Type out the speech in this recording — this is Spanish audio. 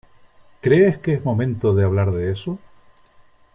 ¿ crees que es momento de hablar de eso ?